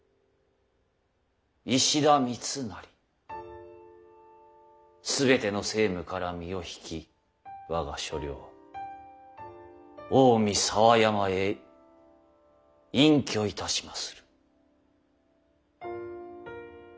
石田三成全ての政務から身を引き我が所領近江佐和山へ隠居いたしまする。